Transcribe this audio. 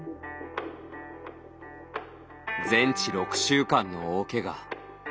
全治６週間の大けが。